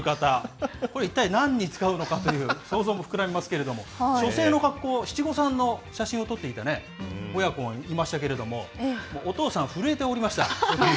これ一体、なんに使うのかという想像も膨らみますけれども、書生の格好、七五三の写真を撮っていた親子がいましたけれども、お父さん、震えておりました。